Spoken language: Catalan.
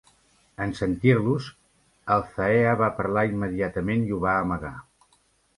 En sentir-los, Althaea va parar immediatament i ho va amagar.